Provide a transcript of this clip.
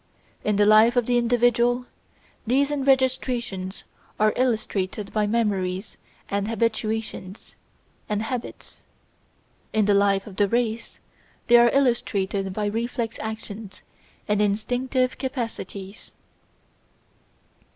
In the life of the individual these enregistrations are illustrated by memories and habituations and habits; in the life of the race they are illustrated by reflex actions and instinctive capacities.